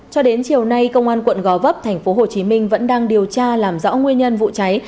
cho đến chiều nay công an quận gò vấp tp hcm vẫn đang điều tra làm rõ nguyên nhân vụ cháy